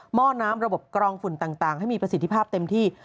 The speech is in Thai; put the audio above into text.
ห้อน้ำระบบกรองฝุ่นต่างให้มีประสิทธิภาพเต็มที่